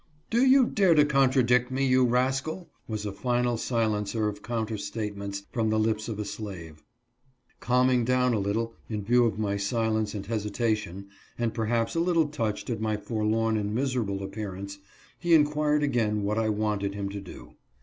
" Do you dare to contradict me, you rascal ?" was a final silencer of counter statements from the lips of a slave. Calming down a little, in view of my silence and hesitation, and perhaps a little touched at my forlorn and miserable appearance, he inquired again, what I wanted 162 IS DRIVEN BACK. him to do